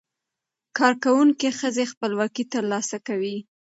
کارکوونکې ښځې خپلواکي ترلاسه کوي.